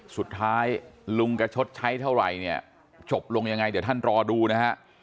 สุดท้ายลุงจะชดใช้เท่าไหร่เนี่ยจบลงยังไงเดี๋ยวท่านรอดูนะฮะ